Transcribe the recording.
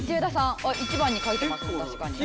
一番に書いてますね